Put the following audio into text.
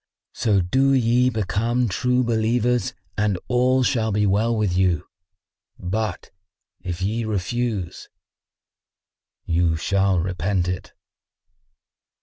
So do ye become True Believers and all shall be well with you; but, if ye refuse, you shall repent it."